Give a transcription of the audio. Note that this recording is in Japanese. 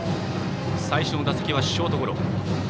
最初の打席はショートゴロ。